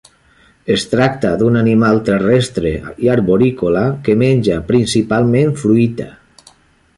Es tracta d'un animal terrestre i arborícola que menja principalment fruita.